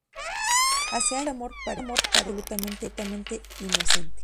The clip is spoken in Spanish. Hace años, ese amor parecía absolutamente inocente.